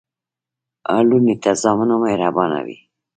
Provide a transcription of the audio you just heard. لوڼي تر زامنو مهربانه وي.